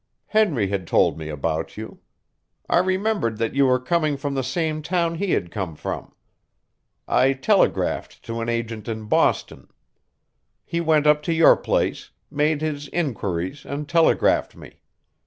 Henry had told me about you. I remembered that you were coming from the same town he had come from. I telegraphed to an agent in Boston. He went up to your place, made his inquiries and telegraphed me.